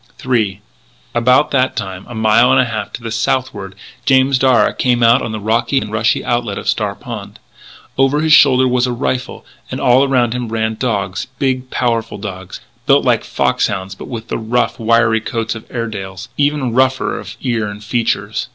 III About that time, a mile and a half to the southward, James Darragh came out on the rocky and rushing outlet to Star Pond. Over his shoulder was a rifle, and all around him ran dogs, big, powerful dogs, built like foxhounds but with the rough, wiry coats of Airedales, even rougher of ear and features.